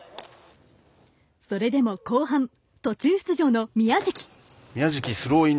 それでも後半、途中出場の宮食。